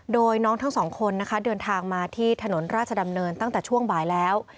โดยน้องทั้งสองคนนะคะเดินทางมาที่ถนนราชดำเนินตั้งแต่ช่วงบ่ายแล้ว